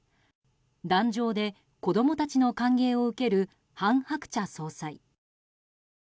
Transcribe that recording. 壇上で子供たちの歓迎を受ける韓鶴子総裁。